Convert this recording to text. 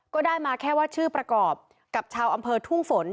ก็ได้มาแค่ว่าชื่อประกอบกับชาวอำเภอทุ่งฝน